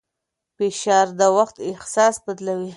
فشار د وخت احساس بدلوي.